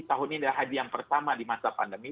tahun ini adalah haji yang pertama di masa pandemi